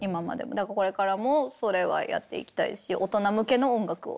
だからこれからもそれはやっていきたいし大人向けの音楽を。